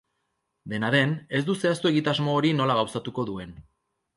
Dena den, ez du zehaztu egitasmo hori nola gauzatuko duen.